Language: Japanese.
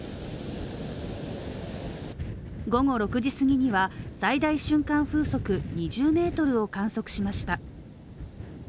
午後６時過ぎには最大瞬間風速２０メートルを観測しました。